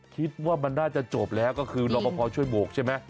คิดว่ามันน่าจะจบแล้วก็คือรอปภช่วยโบกใช่ไหม